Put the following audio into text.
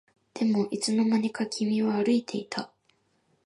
でもいつの間にか君は歩いていた